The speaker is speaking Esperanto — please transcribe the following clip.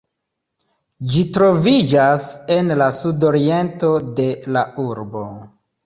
Ĝi troviĝas en la sudoriento de la urbo.